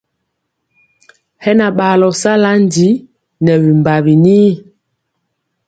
Hɛ na ɓaalɔ sala ndi nɛ bimbawi ni.